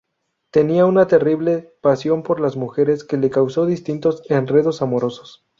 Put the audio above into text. Tenía una terrible pasión por las mujeres que le causó distintos enredos amorosos.